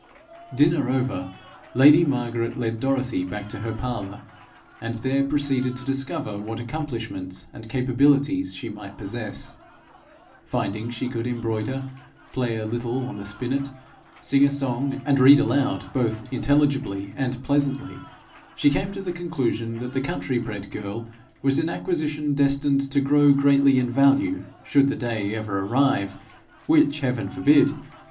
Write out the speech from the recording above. Dinner over, lady Margaret led Dorothy back to her parlour, and there proceeded to discover what accomplishments and capabilities she might possess. Finding she could embroider, play a little on the spinnet, sing a song, and read aloud both intelligibly and pleasantly, she came to the conclusion that the country bred girl was an acquisition destined to grow greatly in value, should the day ever arrive which heaven forbid!